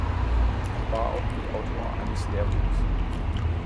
Er war auch Mitautor eines Lehrbuchs.